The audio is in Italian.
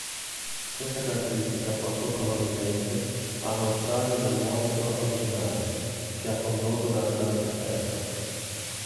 Questa caratteristica portò probabilmente al naufragio del "Monitor" originale, che affondò durante una tempesta.